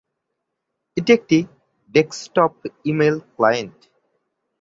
এটি একটি desktop email client.